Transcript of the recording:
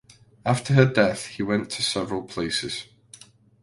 After her death he went to several places.